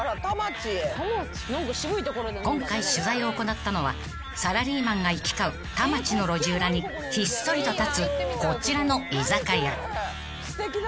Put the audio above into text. ［今回取材を行ったのはサラリーマンが行き交う田町の路地裏にひっそりと立つこちらの居酒屋］